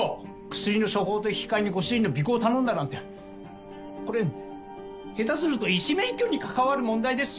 薬の処方と引き換えにご主人の尾行を頼んだなんてこれ下手すると医師免許に関わる問題ですよ？